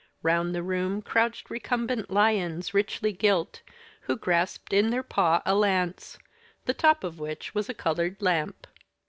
Round the room crouched recumbent lions richly gilt, who grasped in their paw a lance, the top of which was a colored lamp.